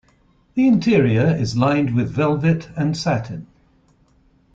The interior is lined with velvet and satin.